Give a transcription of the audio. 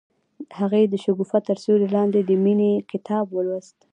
هغې د شګوفه تر سیوري لاندې د مینې کتاب ولوست.